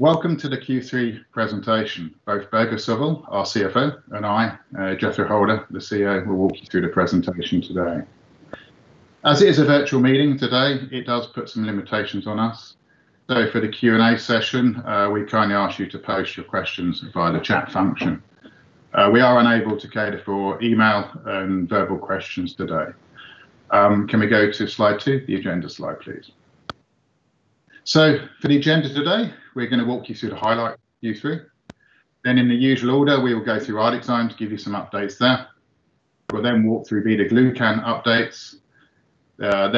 Welcome to the Q3 presentation. Both Børge Sørvoll, our CFO, and I, Jethro Holter, the CEO, will walk you through the presentation today. As it is a virtual meeting today, it does put some limitations on us. For the Q&A session, we kindly ask you to post your questions via the chat function. We are unable to cater for email and verbal questions today. Can we go to Slide two, the agenda slide, please? For the agenda today, we're going to walk you through the highlights. In the usual order, we will go through ArcticZymes, give you some updates there. We'll then walk through beta-glucan updates, then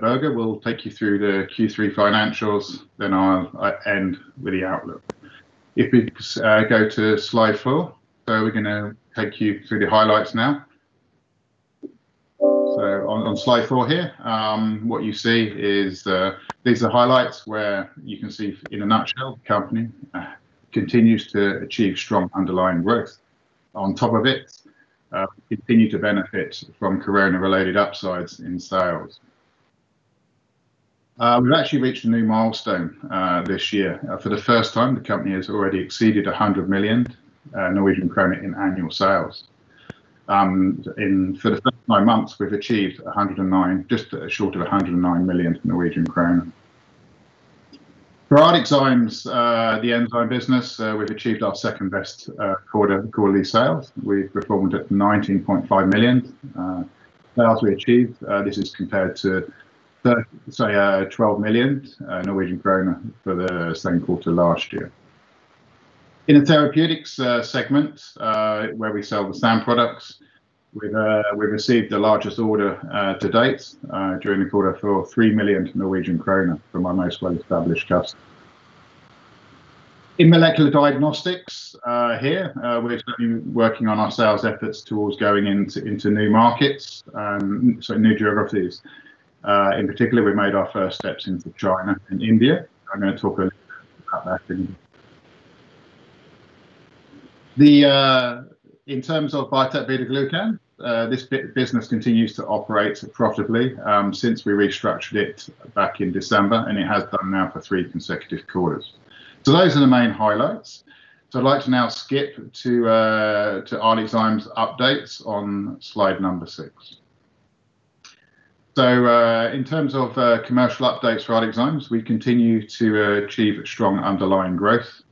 Børge will take you through the Q3 financials, then I'll end with the outlook. If we go to Slide four. We're going to take you through the highlights now. On Slide 4 here, what you see is these are highlights where you can see in a nutshell, the company continues to achieve strong underlying growth. On top of it, we continue to benefit from COVID-19 related upsides in sales. We've actually reached a new milestone this year. For the first time, the company has already exceeded 100 million Norwegian krone in annual sales. For the first nine months, we've achieved just short of 109 million Norwegian krone. For ArcticZymes, the enzyme business, we've achieved our second-best quarter quarterly sales. We've performed at 29.5 million we achieved. This is compared to 12 million Norwegian krone for the same quarter last year. In the therapeutics segment, where we sell the SAN products, we've received the largest order to date during the quarter for 3 million Norwegian kroner from our most well-established customer. In molecular diagnostics, here, we've been working on our sales efforts towards going into new markets, so new geographies. In particular, we made our first steps into China and India. I'm going to talk a little bit about that. In terms of Biotec BetaGlucans, this business continues to operate profitably since we restructured it back in December, and it has done now for three consecutive quarters. Those are the main highlights. I'd like to now skip to ArcticZymes updates on slide number six. In terms of commercial updates for ArcticZymes, we continue to achieve strong underlying growth,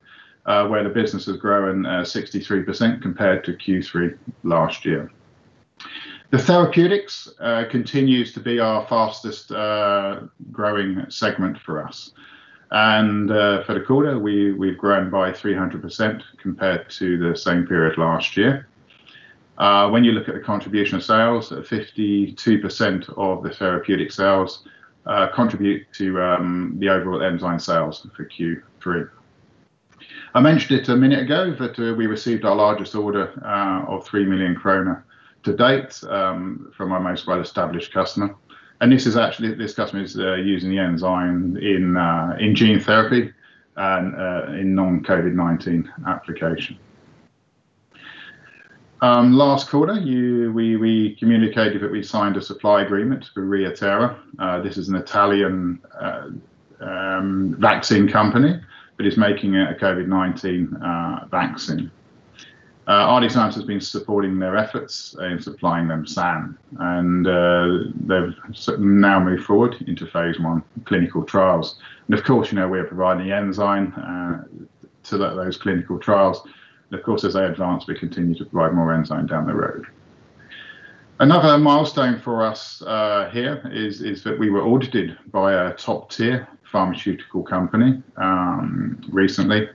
where the business is growing 63% compared to Q3 last year. The Therapeutics continues to be our fastest growing segment for us. For the quarter, we've grown by 300% compared to the same period last year. When you look at the contribution of sales, 52% of the therapeutic sales contribute to the overall enzyme sales for Q3. We received our largest order of 3 million kroner to date from our most well-established customer. This customer is using the enzyme in gene therapy in non-COVID-19 application. Last quarter, we communicated that we signed a supply agreement with ReiThera. This is an Italian vaccine company that is making a COVID-19 vaccine. ArcticZymes has been supporting their efforts in supplying them SAN. They've now moved forward into phase I clinical trials. Of course, we're providing the enzyme to those clinical trials. Of course, as they advance, we continue to provide more enzyme down the road. Another milestone for us here is that we were audited by a top-tier pharmaceutical company recently.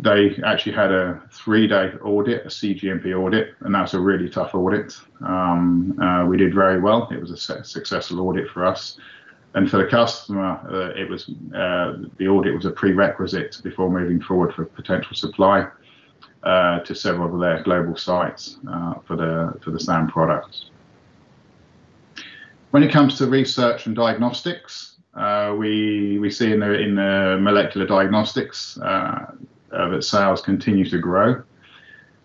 They actually had a three-day audit, a cGMP audit. That was a really tough audit. We did very well. It was a successful audit for us. For the customer, the audit was a prerequisite before moving forward for potential supply to several of their global sites for the SAN products. When it comes to research and diagnostics, we see in the molecular diagnostics that sales continue to grow.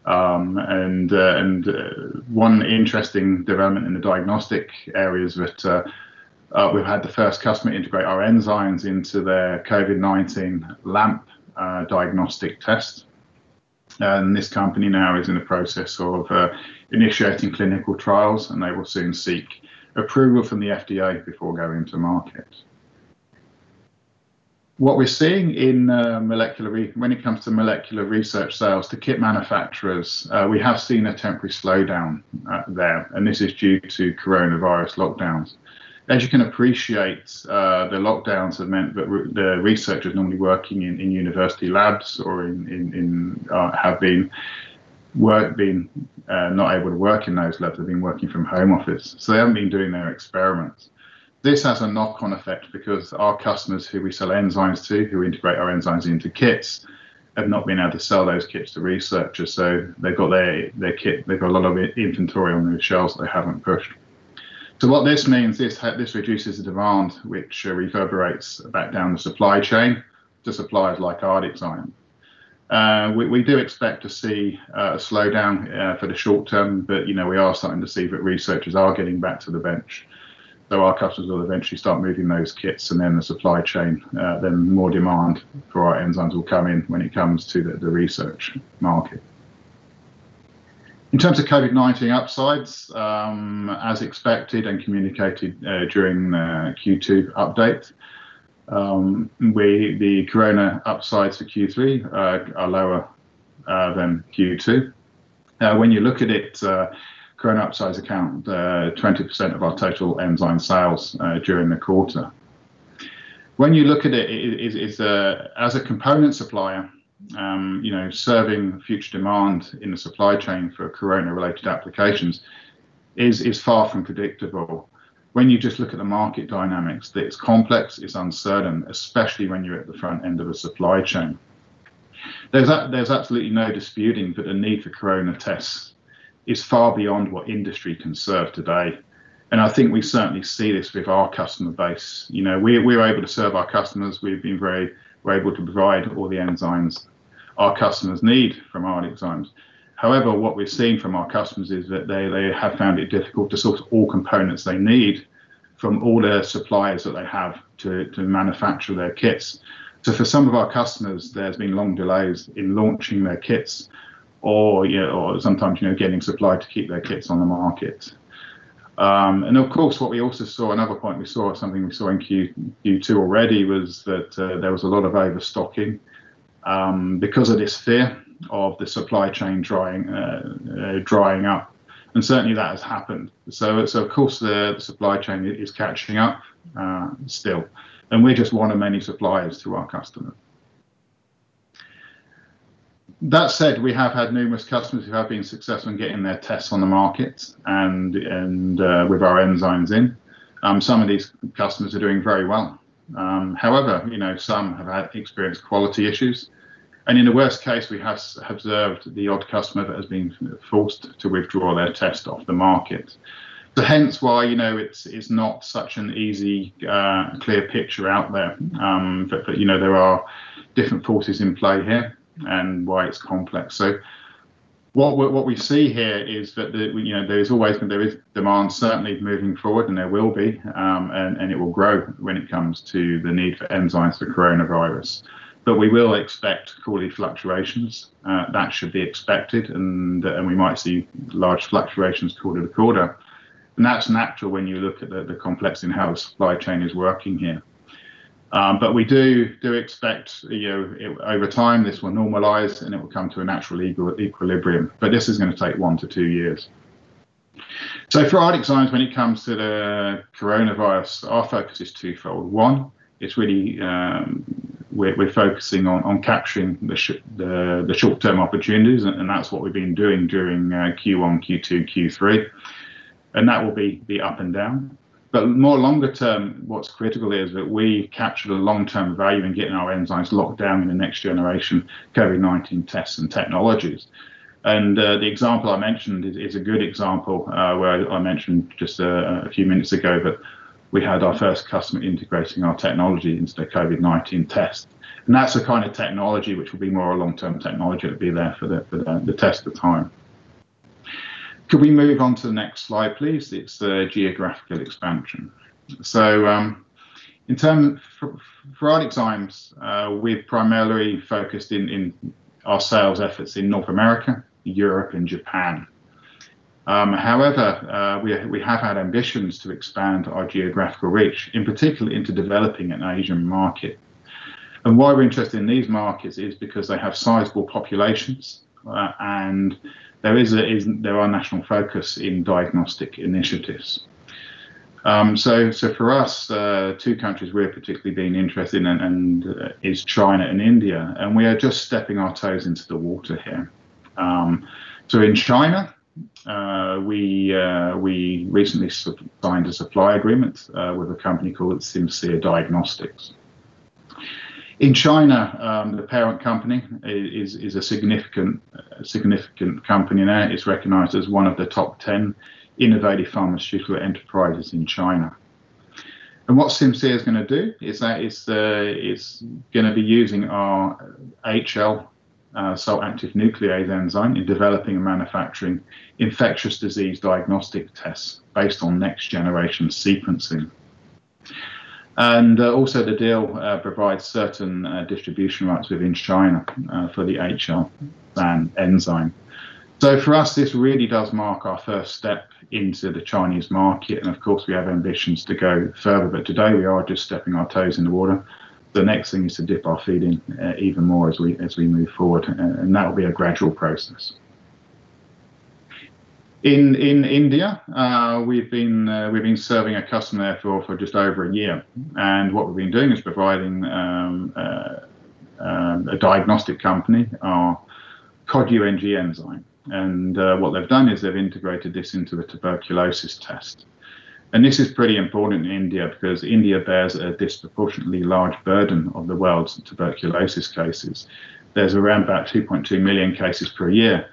One interesting development in the diagnostic area is that we've had the first customer integrate our enzymes into their COVID-19 LAMP diagnostic test. This company now is in the process of initiating clinical trials. They will soon seek approval from the FDA before going to market. What we're seeing when it comes to molecular research sales to kit manufacturers, we have seen a temporary slowdown there. This is due to coronavirus lockdowns. As you can appreciate, the lockdowns have meant that the researchers normally working in university labs have been not able to work in those labs. They've been working from home office. They haven't been doing their experiments. This has a knock-on effect because our customers who we sell enzymes to, who integrate our enzymes into kits, have not been able to sell those kits to researchers. They've got a lot of inventory on their shelves they haven't pushed. What this means, this reduces the demand, which reverberates back down the supply chain to suppliers like ArcticZymes. We do expect to see a slowdown for the short term, but we are starting to see that researchers are getting back to the bench, so our customers will eventually start moving those kits and then the supply chain, then more demand for our enzymes will come in when it comes to the research market. In terms of COVID-19 upsides, as expected and communicated during the Q2 update, the corona upsides for Q3 are lower than Q2. When you look at it, corona upsides account 20% of our total enzyme sales during the quarter. When you look at it, as a component supplier serving future demand in the supply chain for corona-related applications is far from predictable. When you just look at the market dynamics, that it's complex, it's uncertain, especially when you're at the front end of a supply chain. There's absolutely no disputing that the need for corona tests is far beyond what industry can serve today, and I think we certainly see this with our customer base. We're able to serve our customers. We've been very able to provide all the enzymes our customers need from ArcticZymes. However, what we're seeing from our customers is that they have found it difficult to source all components they need from all their suppliers that they have to manufacture their kits. For some of our customers, there's been long delays in launching their kits or sometimes getting supply to keep their kits on the market. Of course, what we also saw, another point we saw, something we saw in Q2 already, was that there was a lot of overstocking because of this fear of the supply chain drying up, and certainly that has happened. Of course, the supply chain is catching up still, and we're just one of many suppliers to our customer. That said, we have had numerous customers who have been successful in getting their tests on the market and with our enzymes in. Some of these customers are doing very well. However, some have experienced quality issues, and in the worst case, we have observed the odd customer that has been forced to withdraw their test off the market. Hence why it's not such an easy, clear picture out there. There are different forces in play here and why it's complex. What we see here is that there is demand certainly moving forward, and there will be, and it will grow when it comes to the need for enzymes for coronavirus. We will expect quarterly fluctuations. That should be expected, and we might see large fluctuations quarter to quarter, and that's natural when you look at the complexity in how the supply chain is working here. We do expect over time this will normalize, and it will come to a natural equilibrium, but this is going to take one to two years. For ArcticZymes, when it comes to the coronavirus, our focus is twofold. One, we're focusing on capturing the short-term opportunities, and that's what we've been doing during Q1, Q2, Q3, and that will be up and down. More longer term, what's critical is that we capture the long-term value in getting our enzymes locked down in the next generation COVID-19 tests and technologies. The example I mentioned is a good example, where I mentioned just a few minutes ago that we had our first customer integrating our technology into their COVID-19 test, and that's the kind of technology which will be more a long-term technology. It'll be there for the test of time. Could we move on to the next slide, please? It's geographical expansion. For ArcticZymes, we've primarily focused in our sales efforts in North America, Europe, and Japan. However, we have had ambitions to expand our geographical reach, in particular into developing an Asian market. Why we're interested in these markets is because they have sizable populations, and there are national focus in diagnostic initiatives. For us, two countries we're particularly being interested in is China and India, and we are just stepping our toes into the water here. In China, we recently signed a supply agreement with a company called Simcere Diagnostics. In China, the parent company is a significant company there. It is recognized as one of the top 10 innovative pharmaceutical enterprises in China. What Simcere is going to do is that it is going to be using our HL Salt Active Nuclease enzyme in developing and manufacturing infectious disease diagnostic tests based on next-generation sequencing. Also, the deal provides certain distribution rights within China for the HL enzyme. For us, this really does mark our first step into the Chinese market, and of course, we have ambitions to go further, but today we are just stepping our toes in the water. The next thing is to dip our feet in even more as we move forward, and that will be a gradual process. In India, we've been serving a customer there for just over a year. What we've been doing is providing a diagnostic company our Cod UNG enzyme. What they've done is they've integrated this into a tuberculosis test. This is pretty important in India because India bears a disproportionately large burden of the world's tuberculosis cases. There's around about 2.2 million cases per year.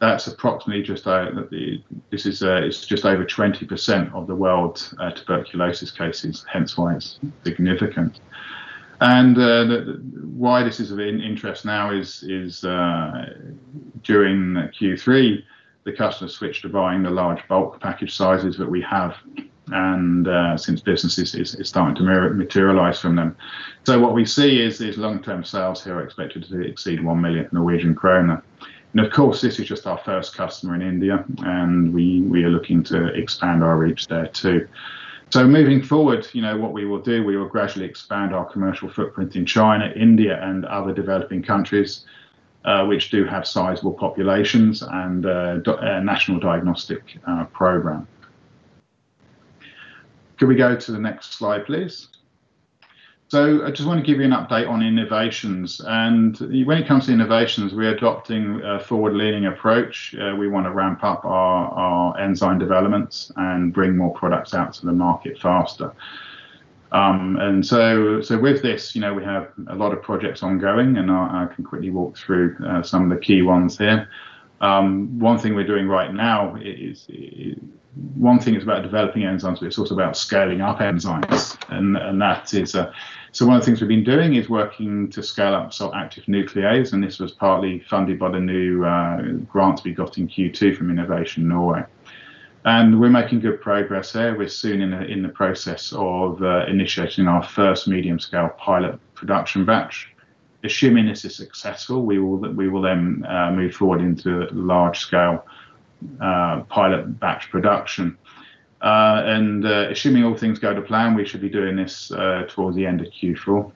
That's approximately just over 20% of the world's tuberculosis cases, hence why it's significant. Why this is of interest now is during Q3, the customer switched to buying the large bulk package sizes that we have, and since business is starting to materialize from them. What we see is these long-term sales here are expected to exceed 1 million Norwegian krone. Of course, this is just our first customer in India, and we are looking to expand our reach there too. Moving forward, what we will do, we will gradually expand our commercial footprint in China, India, and other developing countries, which do have sizable populations and a national diagnostic program. Can we go to the next slide, please? I just want to give you an update on innovations. When it comes to innovations, we are adopting a forward-leaning approach. We want to ramp up our enzyme developments and bring more products out to the market faster. With this, we have a lot of projects ongoing, and I can quickly walk through some of the key ones here. One thing we're doing right now is, one thing is about developing enzymes, but it's also about scaling up enzymes. That is, one of the things we've been doing is working to scale up Salt Active Nuclease, and this was partly funded by the new grant we got in Q2 from Innovation Norway. We're making good progress there. We're soon in the process of initiating our first medium-scale pilot production batch. Assuming this is successful, we will then move forward into large-scale pilot batch production. Assuming all things go to plan, we should be doing this towards the end of Q4.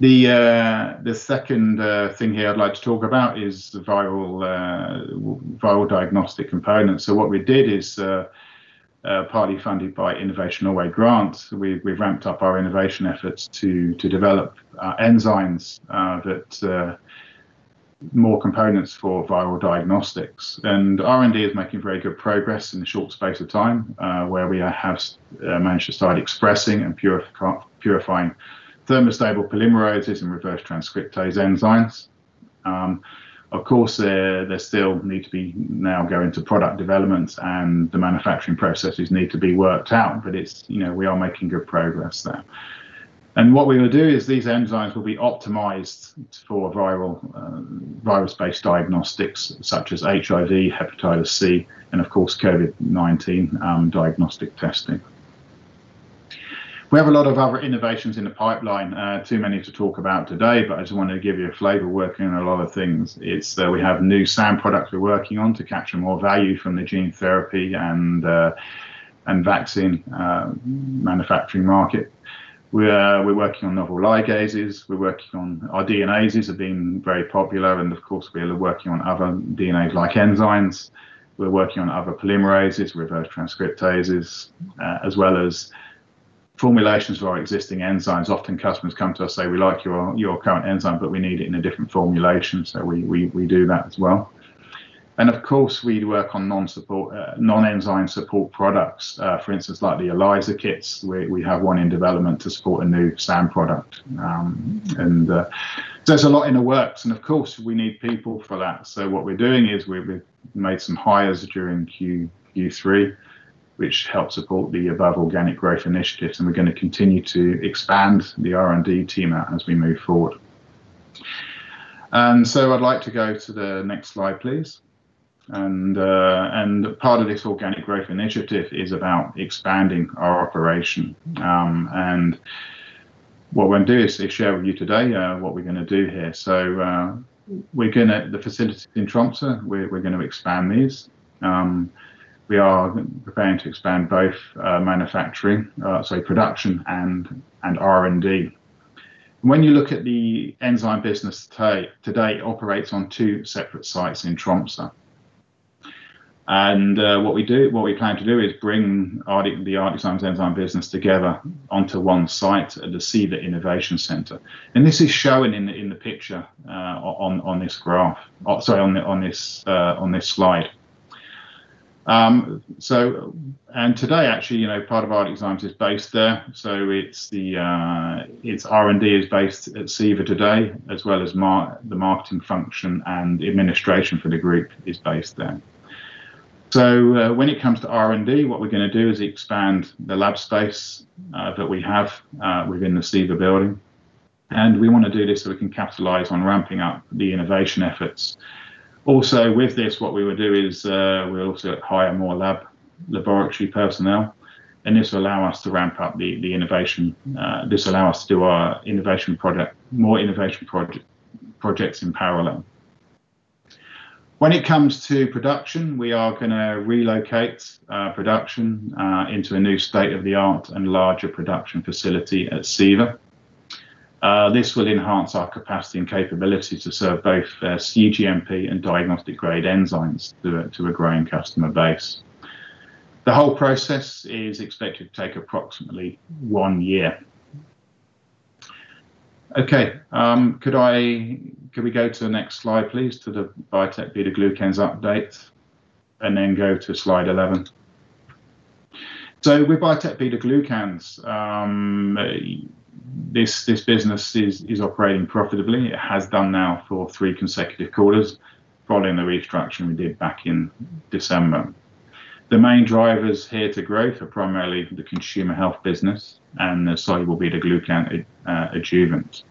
The second thing here I'd like to talk about is the viral diagnostic component. What we did is, partly funded by Innovation Norway grant, we ramped up our innovation efforts to develop enzymes that form components for viral diagnostics. R&D is making very good progress in a short space of time, where we have managed to start expressing and purifying thermostable polymerases and reverse transcriptase enzymes. Of course, they still need to be now going to product development, and the manufacturing processes need to be worked out, but we are making good progress there. What we're going to do is these enzymes will be optimized for virus-based diagnostics such as HIV, hepatitis C, and of course, COVID-19 diagnostic testing. We have a lot of other innovations in the pipeline. Too many to talk about today, but I just wanted to give you a flavor. We're working on a lot of things. We have new SAN products we're working on to capture more value from the gene therapy and vaccine manufacturing market. We're working on novel ligases. Our DNases have been very popular. Of course, we are working on other DNA-like enzymes. We're working on other polymerases, reverse transcriptases, as well as formulations for our existing enzymes. Often customers come to us, say, "We like your current enzyme, but we need it in a different formulation." We do that as well. Of course, we work on non-enzyme support products. For instance, like the ELISA kits, we have one in development to support a new SAN product. There's a lot in the works. Of course, we need people for that. What we're doing is we've made some hires during Q3, which help support the above organic growth initiatives. We're going to continue to expand the R&D team out as we move forward. I'd like to go to the next slide, please. Part of this organic growth initiative is about expanding our operation. What we're going to do is share with you today what we're going to do here. The facilities in Tromsø, we're going to expand these. We are preparing to expand both manufacturing, so production and R&D. When you look at the enzyme business today, it operates on two separate sites in Tromsø. What we plan to do is bring the ArcticZymes enzyme business together onto one site at the SIVA Innovation Centre. This is shown in the picture on this slide. Today, actually, part of ArcticZymes is based there. Its R&D is based at SIVA today, as well as the marketing function and the administration for the group is based there. When it comes to R&D, what we're going to do is expand the lab space that we have within the SIVA building, and we want to do this so we can capitalize on ramping up the innovation efforts. Also with this, what we will do is we'll also hire more laboratory personnel, and this will allow us to ramp up the innovation. This will allow us to do more innovation projects in parallel. When it comes to production, we are going to relocate production into a new state-of-the-art and larger production facility at SIVA. This will enhance our capacity and capability to serve both cGMP and diagnostic-grade enzymes to a growing customer base. The whole process is expected to take approximately one year. Okay. Could we go to the next slide, please? To the Biotec BetaGlucans update. Go to slide 11. With Biotec BetaGlucans, this business is operating profitably. It has done now for three consecutive quarters following the restructure we did back in December. The main drivers here to growth are primarily the consumer health business and the soluble beta-glucan adjuvant.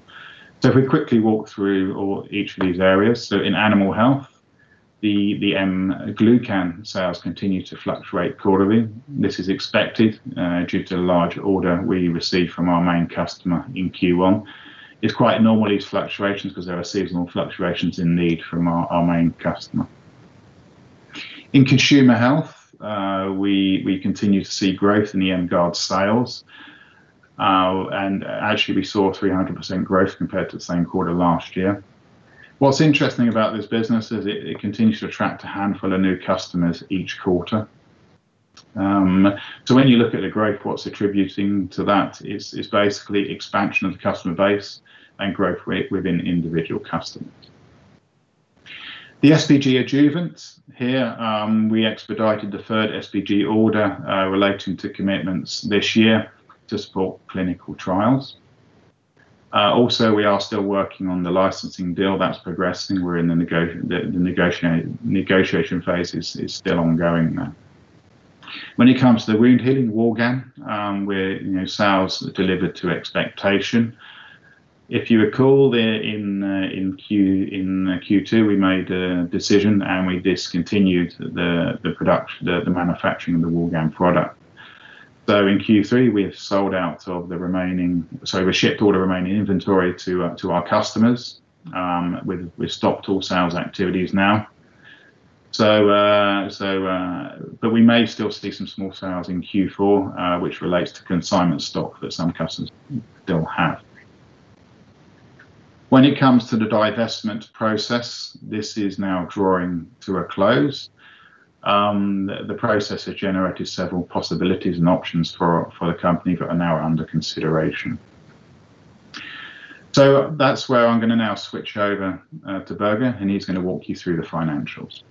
If we quickly walk through each of these areas. In animal health, the glucan sales continue to fluctuate quarterly. This is expected due to the large order we received from our main customer in Q1. It's quite normal these fluctuations because there are seasonal fluctuations in need from our main customer. In consumer health, we continue to see growth in the M-Gard sales. Actually we saw 300% growth compared to the same quarter last year. What's interesting about this business is it continues to attract a handful of new customers each quarter. When you look at the growth, what's attributing to that is basically expansion of the customer base and growth rate within individual customers. The SBG adjuvant here, we expedited the third SBG order relating to commitments this year to support clinical trials. We are still working on the licensing deal that's progressing. We're in the negotiation phase. It's still ongoing now. When it comes to the wound healing Woulgan, where sales delivered to expectation. If you recall there in Q2, we made a decision and we discontinued the manufacturing of the Woulgan product. In Q3 we shipped all the remaining inventory to our customers. We've stopped all sales activities now. We may still see some small sales in Q4 which relates to consignment stock that some customers still have. When it comes to the divestment process, this is now drawing to a close. The process has generated several possibilities and options for the company that are now under consideration. That's where I'm going to now switch over to Børge, and he's going to walk you through the financials.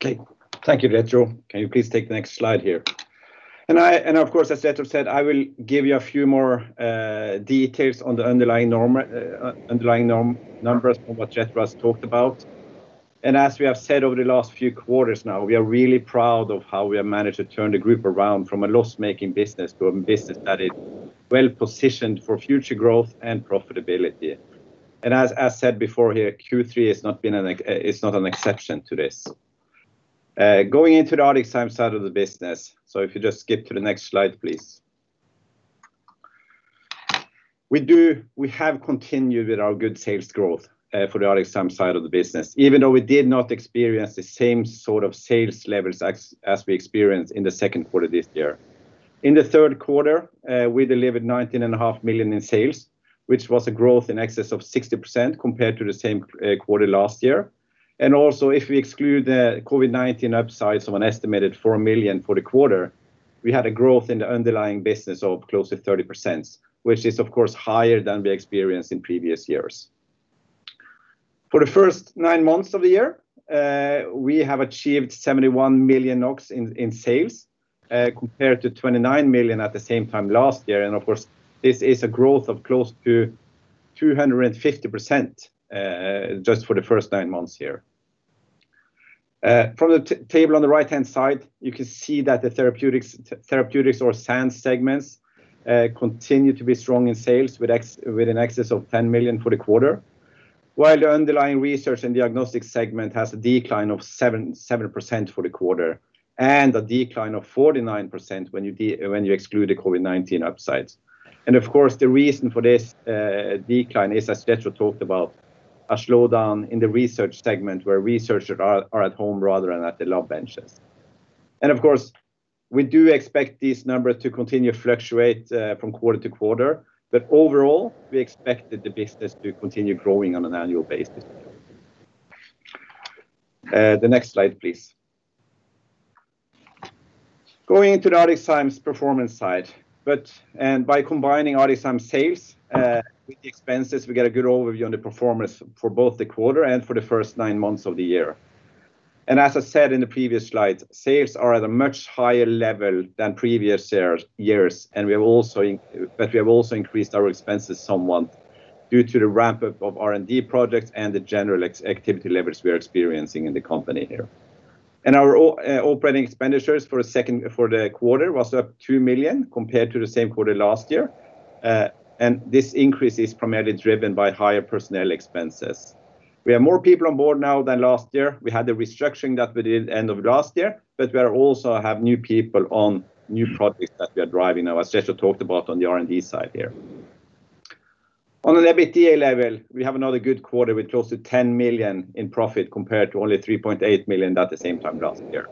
Okay. Thank you, Jethro. Can you please take the next slide here? Of course, as Jethro said, I will give you a few more details on the underlying numbers from what Jethro has talked about. As we have said over the last few quarters now, we are really proud of how we have managed to turn the group around from a loss-making business to a business that is well positioned for future growth and profitability. As I said before here, Q3 is not an exception to this. Going into the ArcticZymes side of the business, if you just skip to the next slide, please. We have continued with our good sales growth for the ArcticZymes side of the business, even though we did not experience the same sort of sales levels as we experienced in the Q2 this year. In the Q3, we delivered 19.5 million in sales, which was a growth in excess of 60% compared to the same quarter last year. Also, if we exclude the COVID-19 upsides of an estimated 4 million for the quarter, we had a growth in the underlying business of close to 30%, which is of course higher than we experienced in previous years. For the first nine months of the year, we have achieved 71 million NOK in sales compared to 29 million at the same time last year. Of course, this is a growth of close to 250% just for the first nine months here. From the table on the right-hand side, you can see that the therapeutics or SAN segments continue to be strong in sales with an excess of 10 million for the quarter. While the underlying research and diagnostic segment has a decline of 7% for the quarter, and a decline of 49% when you exclude the COVID-19 upsides. Of course, the reason for this decline is, as Jethro talked about, a slowdown in the research segment where researchers are at home rather than at the lab benches. Of course, we do expect these numbers to continue to fluctuate from quarter to quarter, but overall, we expect the business to continue growing on an annual basis. The next slide, please. Going into the ArcticZymes performance side. By combining ArcticZymes sales with the expenses, we get a good overview on the performance for both the quarter and for the first nine months of the year. As I said in the previous slide, sales are at a much higher level than previous years, but we have also increased our expenses somewhat due to the ramp-up of R&D projects and the general activity levels we are experiencing in the company here. Our operating expenditures for the quarter was up 2 million compared to the same quarter last year. This increase is primarily driven by higher personnel expenses. We have more people on board now than last year. We had the restructuring that we did end of last year, but we also have new people on new projects that we are driving now, as Jethro talked about on the R&D side here. On an EBITDA level, we have another good quarter with close to 10 million in profit compared to only 3.8 million at the same time last year.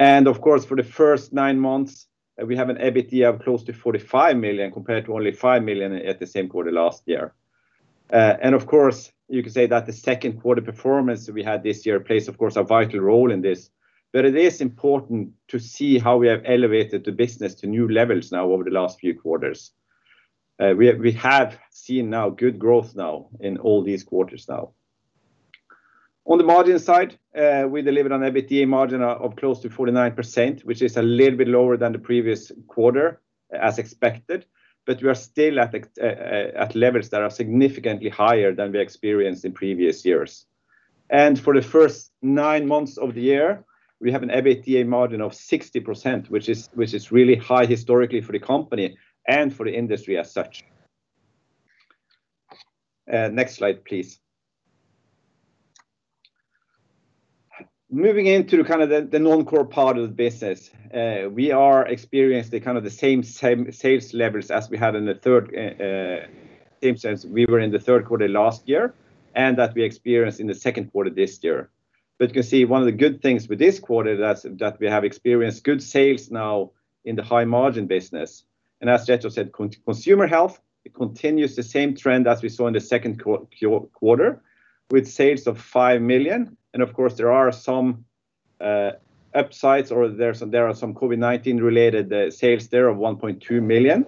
Of course, for the first nine months, we have an EBITDA of close to 45 million compared to only 5 million at the same quarter last year. Of course, you could say that the Q2 performance we had this year plays of course a vital role in this. It is important to see how we have elevated the business to new levels now over the last few quarters. We have seen now good growth now in all these quarters now. On the margin side, we delivered on EBITDA margin of close to 49%, which is a little bit lower than the previous quarter as expected. We are still at levels that are significantly higher than we experienced in previous years. For the first nine months of the year, we have an EBITDA margin of 60%, which is really high historically for the company and for the industry as such. Next slide, please. Moving into the non-core part of the business. We are experiencing the same sales levels as we were in the Q3 last year, and that we experienced in the Q2 this year. You can see one of the good things with this quarter that we have experienced good sales now in the high margin business. As Jethro said, consumer health, it continues the same trend as we saw in the Q2 with sales of 5 million. Of course, there are some upsides, or there are some COVID-19 related sales there of 1.2 million.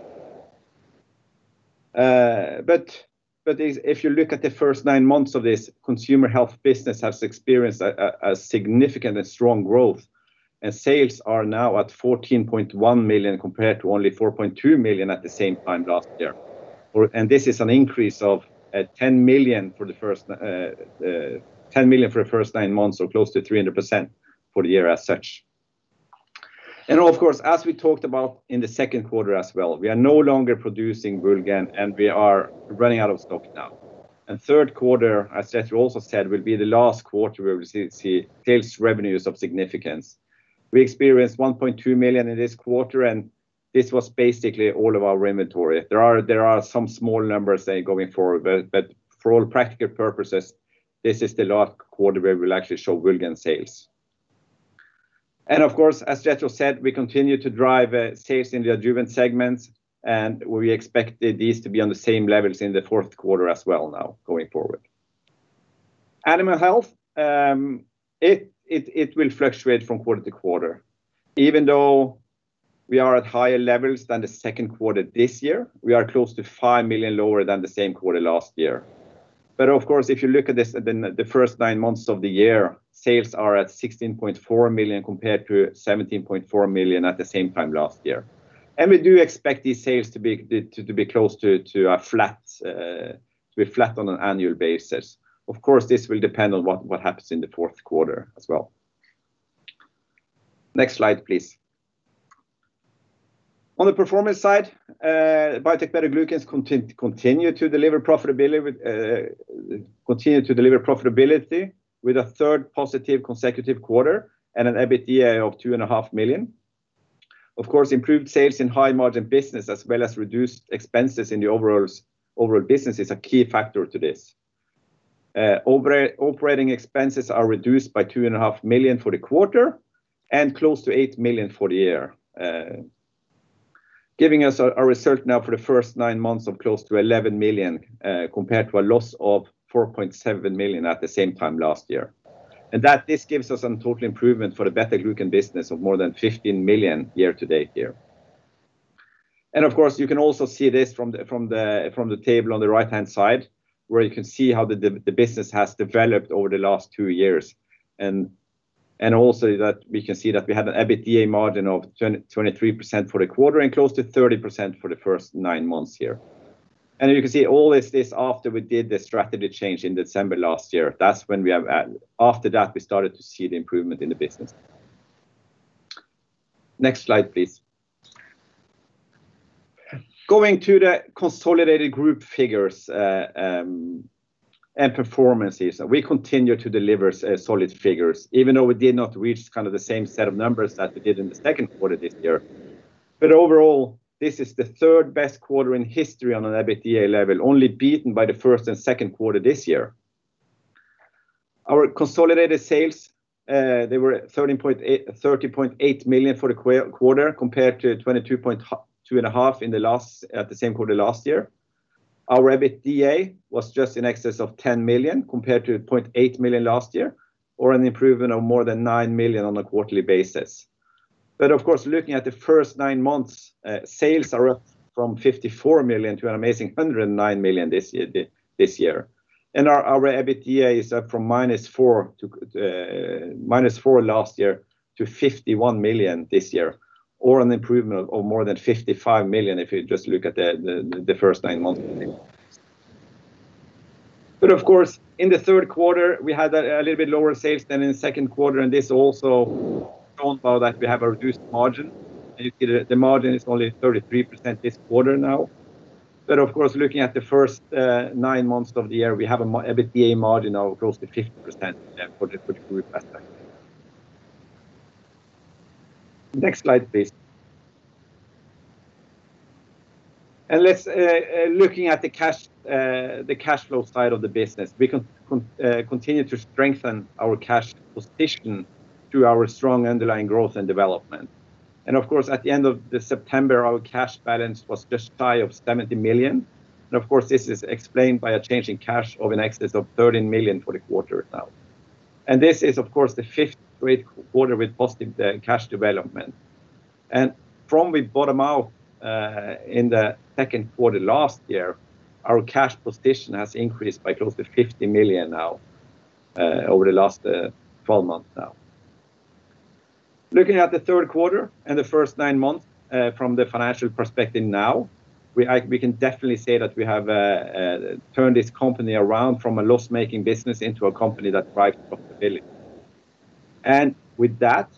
If you look at the first nine months of this consumer health business has experienced a significant and strong growth, sales are now at 14.1 million, compared to only 4.2 million at the same time last year. This is an increase of 10 million for the first nine months or close to 300% for the year as such. Of course, as we talked about in the Q2 as well, we are no longer producing Woulgan, and we are running out of stock now. Q3, as Jethro also said, will be the last quarter where we see sales revenues of significance. We experienced 1.2 million in this quarter, and this was basically all of our inventory. There are some small numbers there going forward, but for all practical purposes, this is the last quarter where we'll actually show Woulgan sales. Of course, as Jethro said, we continue to drive sales in the adjuvant segments, and we expect these to be on the same levels in the Q4 as well now going forward. Animal health, it will fluctuate from quarter to quarter. Even though we are at higher levels than the Q2 this year, we are close to 5 million lower than the same quarter last year. Of course, if you look at the first nine months of the year, sales are at 16.4 million compared to 17.4 million at the same time last year. We do expect these sales to be close to flat on an annual basis. Of course, this will depend on what happens in the Q4 as well. Next slide, please. On the performance side, Biotec BetaGlucans continue to deliver profitability with a third positive consecutive quarter and an EBITDA of 2.5 million. Of course, improved sales in high margin business as well as reduced expenses in the overall business is a key factor to this. Operating expenses are reduced by 2.5 million for the quarter and close to 8 million for the year. Giving us a result now for the first nine months of close to 11 million, compared to a loss of 4.7 million at the same time last year. This gives us a total improvement for the beta-glucan business of more than 15 million year to date here. Of course, you can also see this from the table on the right-hand side, where you can see how the business has developed over the last two years. Also that we can see that we have an EBITDA margin of 23% for the quarter and close to 30% for the first nine months here. You can see all this after we did the strategy change in December last year. After that, we started to see the improvement in the business. Next slide, please. Going to the consolidated group figures and performances. We continue to deliver solid figures, even though we did not reach the same set of numbers that we did in the Q2 this year. Overall, this is the third-best quarter in history on an EBITDA level, only beaten by the first and Q2 this year. Our consolidated sales, they were at 30.8 million for the quarter, compared to 22.2 and a half at the same quarter last year. Our EBITDA was just in excess of 10 million, compared to 0.8 million last year, or an improvement of more than 9 million on a quarterly basis. Of course, looking at the first nine months, sales are up from 54 million to an amazing 109 million this year. Our EBITDA is up from minus 4 last year to 51 million this year, or an improvement of more than 55 million if you just look at the first nine months. Of course, in the Q3, we had a little bit lower sales than in the Q2, and this also shown by that we have a reduced margin. You can see the margin is only 33% this quarter now. Of course, looking at the first nine months of the year, we have an EBITDA margin now close to 50% for the group as such. Next slide, please. Looking at the cash flow side of the business, we continue to strengthen our cash position through our strong underlying growth and development. At the end of September, our cash balance was just high of 70 million. This is explained by a change in cash of an excess of 13 million for the quarter now. This is of course the fifth great quarter with positive cash development. From we bottom out in the Q2 last year, our cash position has increased by close to 50 million now, over the last 12 months now. Looking at the Q3 and the first nine months from the financial perspective now, we can definitely say that we have turned this company around from a loss-making business into a company that drives profitability. With that,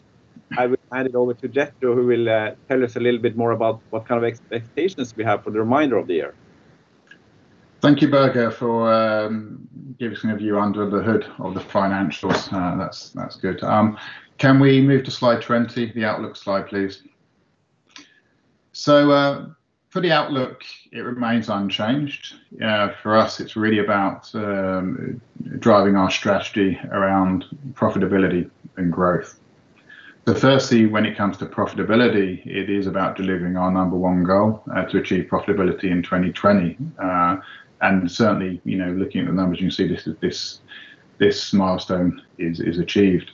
I will hand it over to Jethro, who will tell us a little bit more about what kind of expectations we have for the remainder of the year. Thank you, Børge, for giving us a view under the hood of the financials. That's good. Can we move to slide 20, the outlook slide, please? For the outlook, it remains unchanged. For us, it's really about driving our strategy around profitability and growth. Firstly, when it comes to profitability, it is about delivering our number one goal, to achieve profitability in 2020. Certainly, looking at the numbers, you can see this milestone is achieved.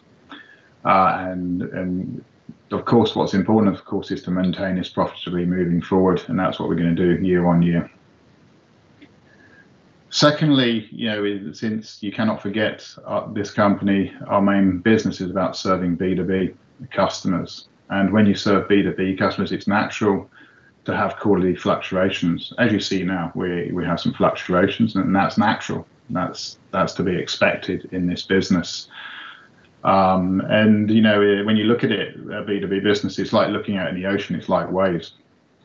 Of course, what's important, of course, is to maintain this profitability moving forward, and that's what we're going to do year-on-year. Secondly, since you cannot forget this company, our main business is about serving B2B customers. When you serve B2B customers, it's natural to have quarterly fluctuations. As you see now, we have some fluctuations, and that's natural. That's to be expected in this business. When you look at it, a B2B business, it's like looking out in the ocean, it's like waves.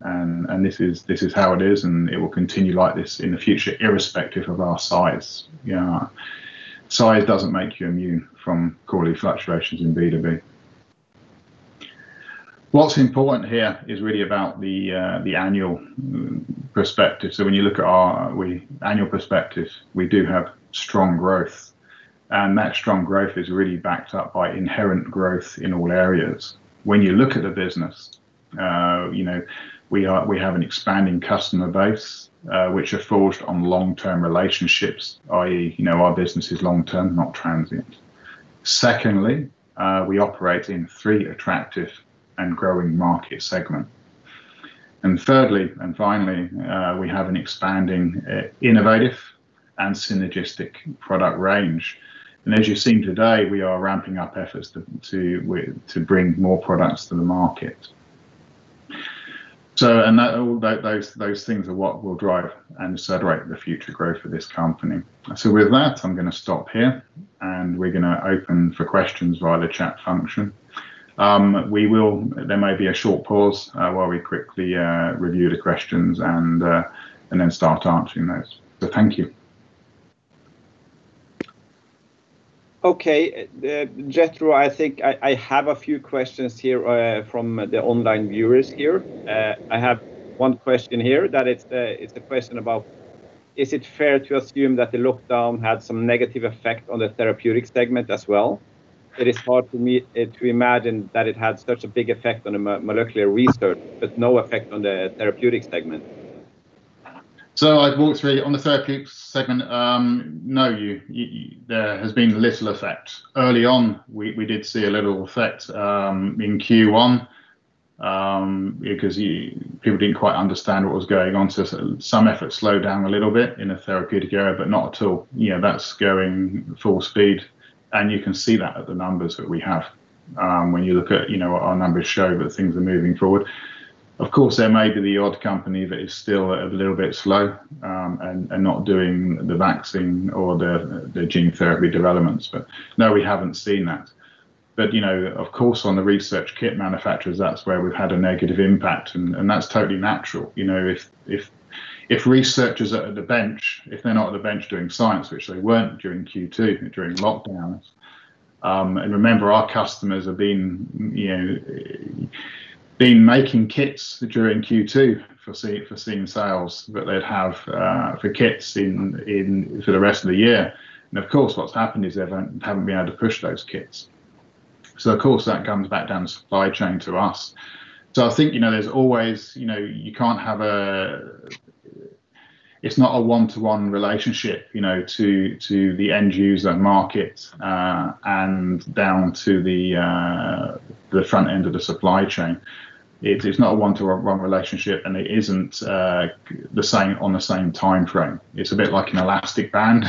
This is how it is, and it will continue like this in the future, irrespective of our size. Size doesn't make you immune from quarterly fluctuations in B2B. What's important here is really about the annual perspective. When you look at our annual perspective, we do have strong growth, and that strong growth is really backed up by inherent growth in all areas. When you look at the business, we have an expanding customer base, which are forged on long-term relationships, i.e., our business is long-term, not transient. Secondly, we operate in three attractive and growing market segments. Thirdly, and finally, we have an expanding innovative and synergistic product range. As you've seen today, we are ramping up efforts to bring more products to the market. Those things are what will drive and accelerate the future growth of this company. With that, I'm going to stop here, and we're going to open for questions via the chat function. There may be a short pause while we quickly review the questions and then start answering those. Thank you. Okay. Jethro, I think I have a few questions here from the online viewers here. I have one question here, it is the question about, "Is it fair to assume that the lockdown had some negative effect on the therapeutic segment as well? It is hard for me to imagine that it had such a big effect on molecular research, but no effect on the therapeutic segment. I'd walked through on the therapeutic segment. There has been little effect. Early on, we did see a little effect in Q1, because people didn't quite understand what was going on, so some efforts slowed down a little bit in the therapeutic area, but not at all. That's going full speed, and you can see that at the numbers that we have. When you look at our numbers show that things are moving forward. Of course, there may be the odd company that is still a little bit slow, and not doing the vaccine or the gene therapy developments. We haven't seen that. Of course, on the research kit manufacturers, that's where we've had a negative impact, and that's totally natural. If researchers are at the bench, if they're not at the bench doing science, which they weren't during Q2, during lockdowns. Remember, our customers have been making kits during Q2, foreseeing sales that they'd have for kits for the rest of the year. Of course, what's happened is they haven't been able to push those kits. Of course, that comes back down the supply chain to us. I think there's always, it's not a one-to-one relationship to the end user market, and down to the front end of the supply chain. It's not a one-to-one relationship, and it isn't on the same timeframe. It's a bit like an elastic band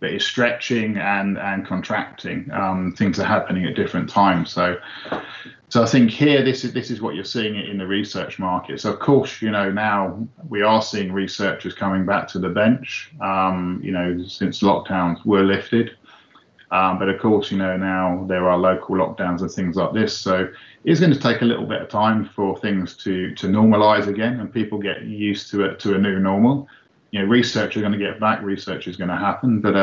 that is stretching and contracting. Things are happening at different times. I think here, this is what you're seeing in the research market. Of course, now we are seeing researchers coming back to the bench, since lockdowns were lifted. Of course, now there are local lockdowns and things like this. It's going to take a little bit of time for things to normalize again and people get used to a new normal. Researchers are going to get back, research is going to happen, but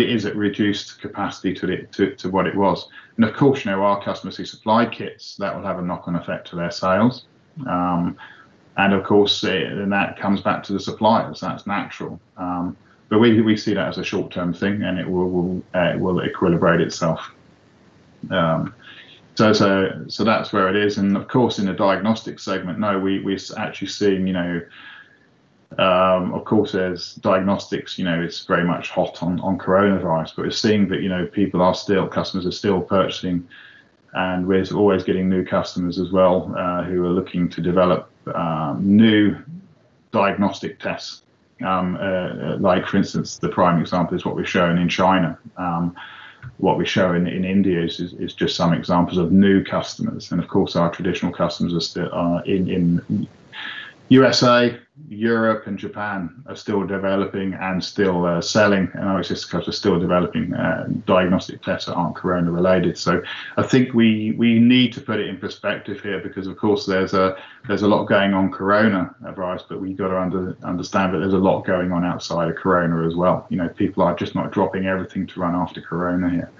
it is at reduced capacity to what it was. Of course, now our customers who supply kits, that will have a knock-on effect to their sales. Of course, then that comes back to the suppliers. That's natural. We see that as a short-term thing, and it will equilibrate itself. That's where it is. Of course, in the diagnostics segment, there's diagnostics. It's very much hot on coronavirus. We're seeing that people are still, customers are still purchasing, and we're always getting new customers as well who are looking to develop new diagnostic tests. Like for instance, the prime example is what we've shown in China. What we've shown in India is just some examples of new customers. Of course, our traditional customers are still in U.S.A., Europe, and Japan are still developing and still selling, and obviously still developing diagnostic tests that aren't corona related. I think we need to put it in perspective here, because of course there's a lot going on coronavirus, but we've got to understand that there's a lot going on outside of corona as well. People are just not dropping everything to run after corona here.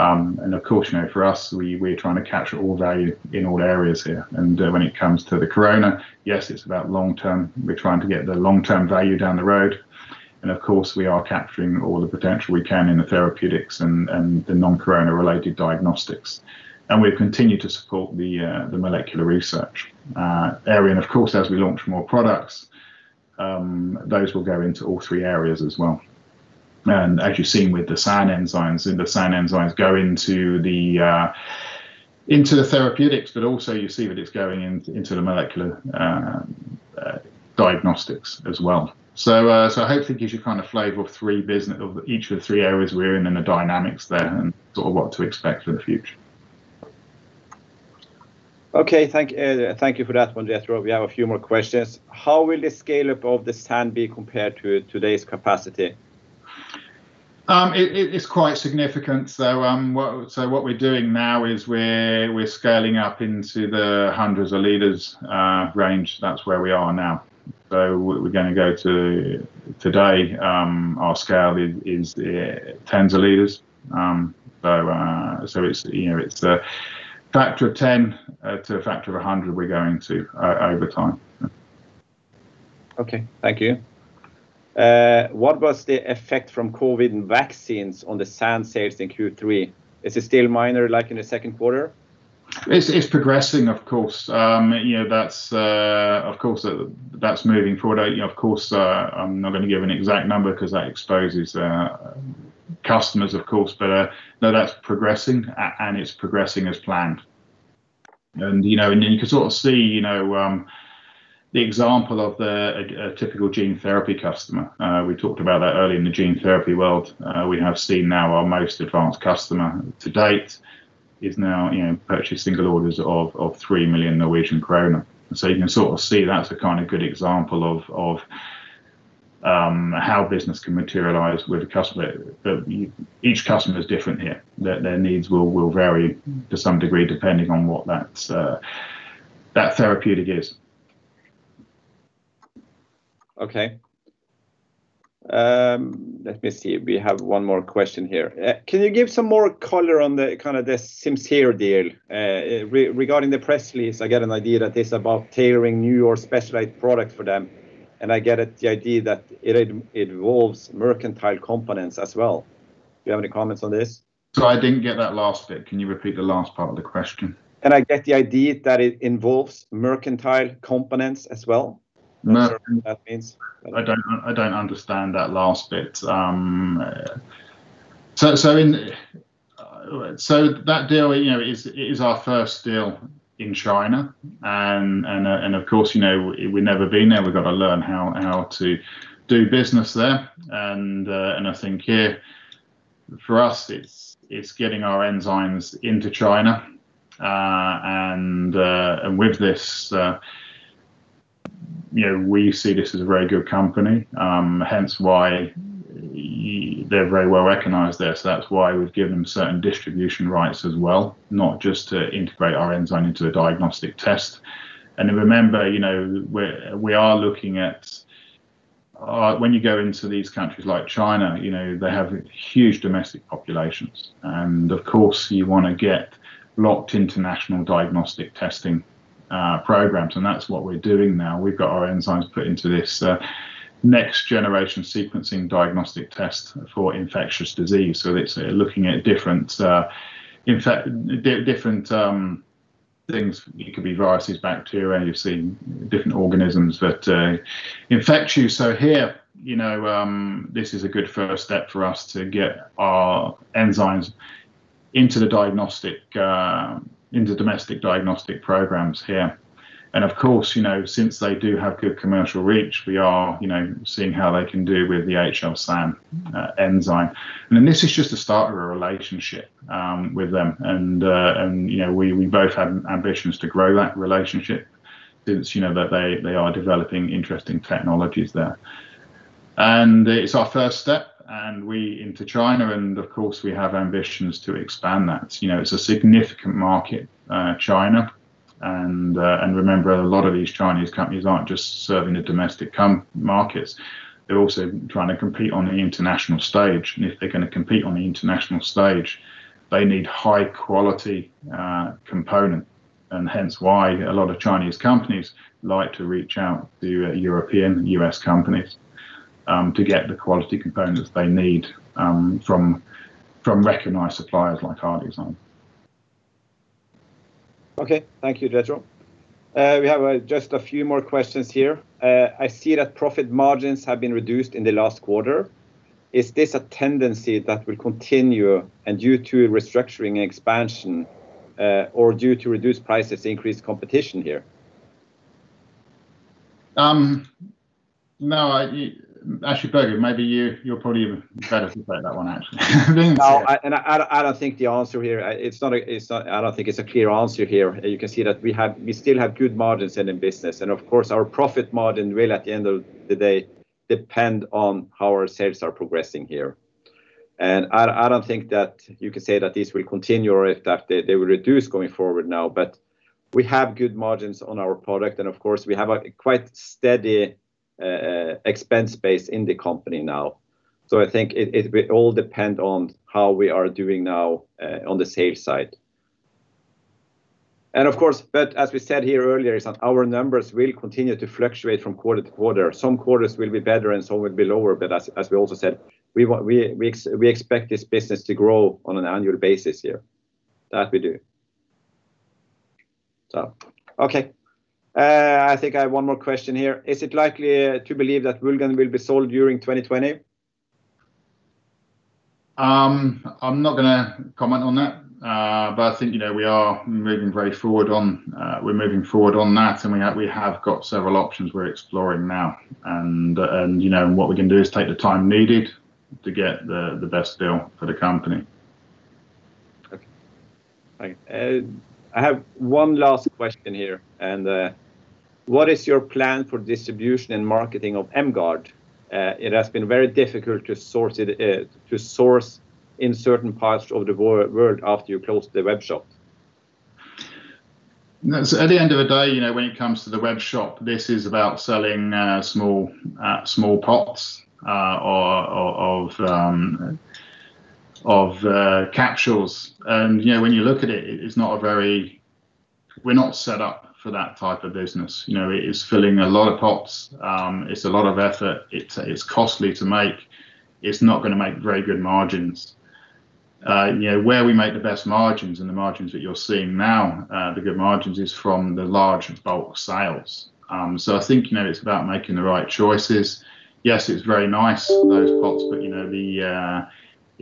Of course, for us, we're trying to capture all value in all areas here. When it comes to the corona, yes, it's about long-term. We're trying to get the long-term value down the road, and of course, we are capturing all the potential we can in the therapeutics and the non-corona related diagnostics. We continue to support the molecular research area. Of course, as we launch more products, those will go into all three areas as well. As you've seen with the SAN enzymes, and the SAN enzymes go into the therapeutics, but also you see that it's going into the molecular diagnostics as well. Hopefully gives you a kind of flavor of each of the three areas we're in and the dynamics there and sort of what to expect for the future. Okay. Thank you for that one, Jethro. We have a few more questions. How will the scale-up of the SAN be compared to today's capacity? It is quite significant. What we're doing now is we're scaling up into the hundreds of liters range. That's where we are now. Today, our scale is tens of liters. It's a factor of 10 to a factor of 100 we're going to over time. Okay. Thank you. What was the effect from COVID vaccines on the SAN sales in Q3? Is it still minor like in the Q2? It's progressing, of course. That's moving forward. I'm not going to give an exact number because that exposes customers, of course. That's progressing and it's progressing as planned. You can sort of see the example of the typical gene therapy customer. We talked about that early in the gene therapy world. We have seen now our most advanced customer to date is now purchasing orders of 3 million Norwegian krone. You can sort of see that's a kind of good example of how business can materialize with a customer. Each customer is different here. Their needs will vary to some degree depending on what that therapeutic is. Okay. Let me see. We have one more question here. Can you give some more color on the kind of the Simcere deal? Regarding the press release, I get an idea that it's about tailoring new or specialized product for them, and I get the idea that it involves mercantile components as well. Do you have any comments on this? Sorry, I didn't get that last bit. Can you repeat the last part of the question? I get the idea that it involves mercantile components as well. I'm not sure what that means. I don't understand that last bit. That deal is our first deal in China, and of course, we've never been there. We've got to learn how to do business there. I think here for us, it's getting our enzymes into China. With this, we see this as a very good company, hence why they're very well-recognized there. That's why we've given them certain distribution rights as well, not just to integrate our enzyme into the diagnostic test. Remember, we are looking at when you go into these countries like China, they have huge domestic populations, and of course, you want to get locked into national diagnostic testing programs, and that's what we're doing now. We've got our enzymes put into this next-generation sequencing diagnostic test for infectious disease. It's looking at different things. It could be viruses, bacteria, you've seen different organisms that infect you. Here, this is a good first step for us to get our enzymes into domestic diagnostic programs here. Of course, since they do have good commercial reach, we are seeing how they can do with the HL-SAN enzyme. This is just the start of a relationship with them. We both have ambitions to grow that relationship since they are developing interesting technologies there. It's our first step into China, and of course, we have ambitions to expand that. It's a significant market, China. Remember, a lot of these Chinese companies aren't just serving the domestic markets. They're also trying to compete on the international stage. If they're going to compete on the international stage, they need high quality component, hence why a lot of Chinese companies like to reach out to European and U.S. companies, to get the quality components they need from recognized suppliers like ArcticZymes. Okay. Thank you, Jethro. We have just a few more questions here. I see that profit margins have been reduced in the last quarter. Is this a tendency that will continue and due to restructuring and expansion, or due to reduced prices, increased competition here? No. Actually, Børge, you're probably even better to take that one, actually. Being serious. No. I don't think it's a clear answer here. You can see that we still have good margins in the business. Of course, our profit margin will, at the end of the day, depend on how our sales are progressing here. I don't think that you can say that this will continue, or if that they will reduce going forward now. We have good margins on our product, and of course, we have a quite steady expense base in the company now. I think it will all depend on how we are doing now on the sales side. Of course, but as we said here earlier, is that our numbers will continue to fluctuate from quarter to quarter. Some quarters will be better and some will be lower, but as we also said, we expect this business to grow on an annual basis here. That we do. Okay. I think I have one more question here. Is it likely to believe that Woulgan will be sold during 2020? I'm not going to comment on that. I think we are moving very forward on that, and we have got several options we're exploring now. What we can do is take the time needed to get the best deal for the company. Okay. I have one last question here. What is your plan for distribution and marketing of M-Gard? It has been very difficult to source in certain parts of the world after you closed the web shop. At the end of the day, when it comes to the web shop, this is about selling small pots or of capsules. When you look at it, we're not set up for that type of business. It is filling a lot of pots. It's a lot of effort. It's costly to make. It's not going to make very good margins. Where we make the best margins and the margins that you're seeing now, the good margins, is from the large bulk sales. I think it's about making the right choices. Yes, it's very nice, those pots, but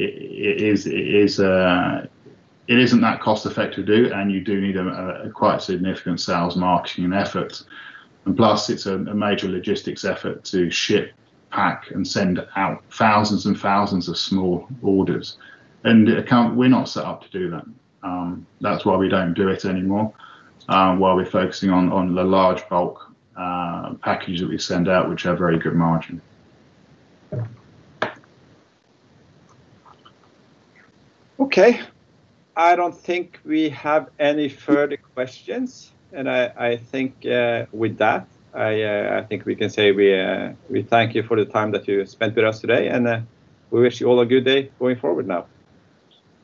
it isn't that cost-effective to do, and you do need a quite significant sales marketing effort. Plus, it's a major logistics effort to ship, pack, and send out thousands and thousands of small orders. We're not set up to do that. That's why we don't do it anymore, while we're focusing on the large bulk packages that we send out, which have very good margin. Okay. I don't think we have any further questions. I think with that, I think we can say we thank you for the time that you spent with us today, and we wish you all a good day going forward now.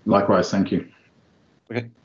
Likewise. Thank you. Okay.